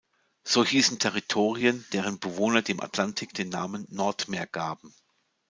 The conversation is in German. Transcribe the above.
So hießen Territorien, deren Bewohner dem Atlantik den Namen „Nordmeer“ gaben.